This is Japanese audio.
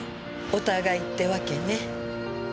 お互いってわけね。